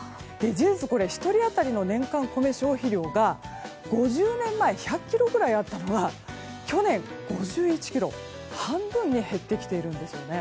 事実１人当たりの年間米消費量が５０年前１００ｋｇくらいあったのが去年は５１ｋｇ半分に減ってきてるんですね。